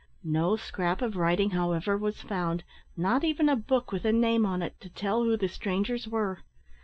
No scrap of writing, however, was found not even a book with a name on it to tell who the strangers were.